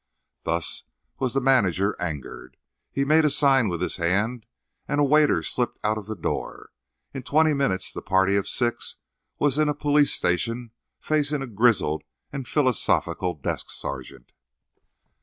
Thus was the manager angered. He made a sign with his hand and a waiter slipped out of the door. In twenty minutes the party of six was in a police station facing a grizzled and philosophical desk sergeant.